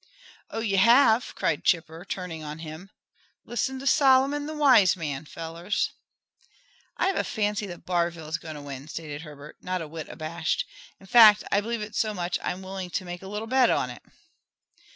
"Oh, you have!" cried Chipper, turning on him. "Listen to Solomon, the wise man, fellers." "I have a fancy that Barville is going to win," stated Herbert, not a whit abashed. "In fact, I believe it so much that I'm willing to make a little bet on it."